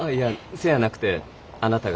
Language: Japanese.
そうやなくてあなたが。